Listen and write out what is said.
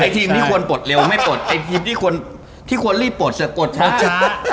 ทีมที่ควรปลดเร็วไม่ปลดไอ้ทีมที่ควรรีบปลดช้า